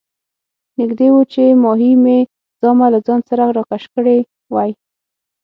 نږدې وو چې ماهي مې زامه له ځان سره راکش کړې وای.